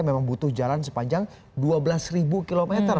memang butuh jalan sepanjang dua belas km